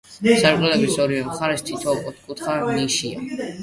სარკმლების ორივე მხარეს თითო ოთკუთხა ნიშია.